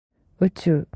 宇宙